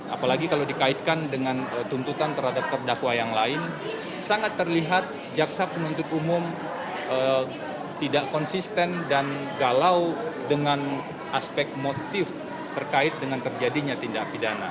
apalagi kalau dikaitkan dengan tuntutan terhadap terdakwa yang lain sangat terlihat jaksa penuntut umum tidak konsisten dan galau dengan aspek motif terkait dengan terjadinya tindak pidana